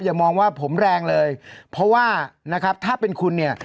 มองว่าผมแรงเลยเพราะว่านะครับถ้าเป็นคุณเนี่ย